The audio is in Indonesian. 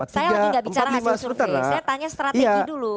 saya tanya strategi dulu